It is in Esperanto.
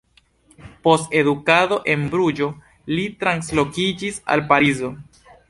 Post edukado en Bruĝo, li translokiĝis al Parizo.